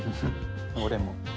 俺も。